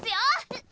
えっ？